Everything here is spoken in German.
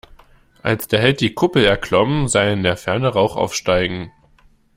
Als der Held die Kuppel erklomm, sah er in der Ferne Rauch aufsteigen.